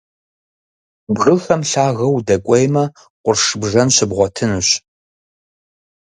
Бгыхэм лъагэу удэкӀуеймэ, къурш бжэн щыбгъуэтынущ.